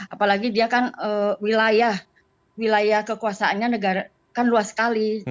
apalagi dia kan wilayah wilayah kekuasaannya kan luas sekali